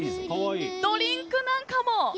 ドリンクなんかも。